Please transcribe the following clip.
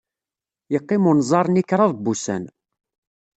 Yeqqim unẓar-nni kraḍ n wussan.